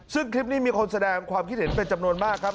ซึ่งคลิปนี้มีคนแสดงความคิดเห็นเป็นจำนวนมากครับ